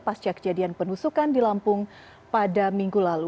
pasca kejadian penusukan di lampung pada minggu lalu